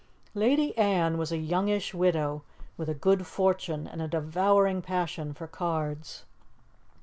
Lady Anne was a youngish widow, with a good fortune and a devouring passion for cards.